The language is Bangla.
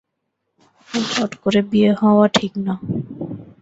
এখন চট করে বিয়ে হওয়া ঠিক না।